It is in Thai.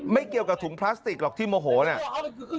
ไม่เกี่ยวกับถุงพลาสติกหรอกที่โมโหเนี่ย